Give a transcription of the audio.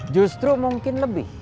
justru mungkin lebih